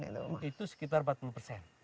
itu sekitar empat puluh persen